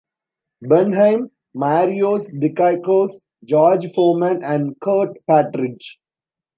Bernheim, Marios Dikaiakos, George Forman, and Kurt Partridge.